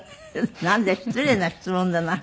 なんで失礼な質問だな。